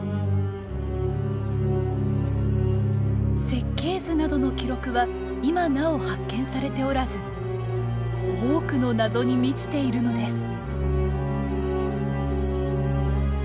設計図などの記録は今なお発見されておらず多くの謎に満ちているのです。